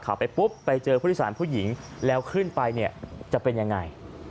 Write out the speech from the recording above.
เข้าไปเพิ่งไปคุณทิสารผู้หญิงแล้วขึ้นไปจะเป็นยังไง